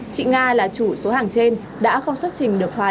chị nga là chủ số hàng trên đã không xuất trình được hóa